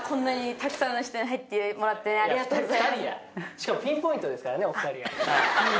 しかもピンポイントですからねお２人が。